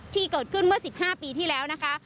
ที่เกิดขึ้นเมื่อ๑๕ปีที่แล้วนะคะ